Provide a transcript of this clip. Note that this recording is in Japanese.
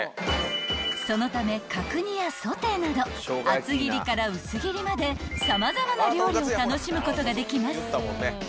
［そのため角煮やソテーなど厚切りから薄切りまで様々な料理を楽しむことができます］